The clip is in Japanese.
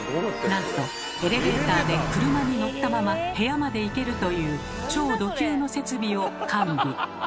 なんとエレベーターで車に乗ったまま部屋まで行けるという超ド級の設備を完備。